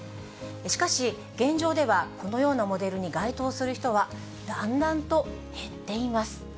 しかし、現状ではこのようなモデルに該当する人は、だんだんと減っています。